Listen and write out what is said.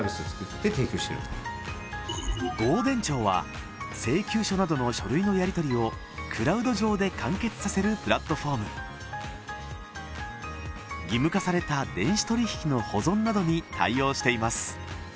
電帳は請求書などの書類のやり取りをクラウド上で完結させるプラットホーム義務化された電子取引の保存などに対応しています